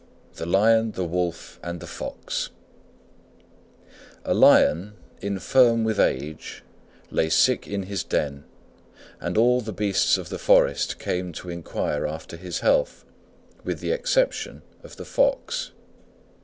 THE LION, THE WOLF, AND THE FOX A Lion, infirm with age, lay sick in his den, and all the beasts of the forest came to inquire after his health with the exception of the Fox.